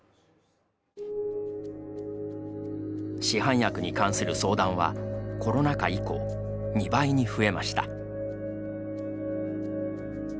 市販薬に関する相談はコロナ禍以降、２倍に増えました。